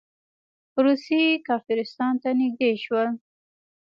روسیې کافرستان ته نږدې شول.